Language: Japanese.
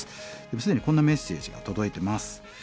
既にこんなメッセージが届いてます。